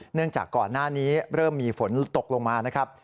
จากก่อนหน้านี้เริ่มมีฝนตกลงมานะครับ